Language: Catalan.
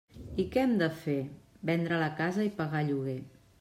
I què hem de fer: vendre la casa i pagar lloguer.